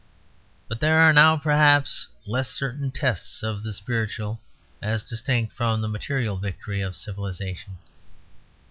But there are now, perhaps, less certain tests of the spiritual as distinct from the material victory of civilization.